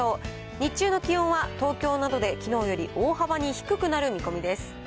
日中の気温は東京などできのうより大幅に低くなる見込みです。